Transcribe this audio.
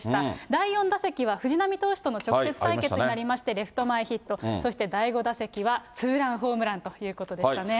第４打席は藤浪投手との直接対決になりまして、レフト前ヒット、そして第５打席はツーランホームランということでしたね。